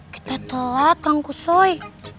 kita telat kang kusoy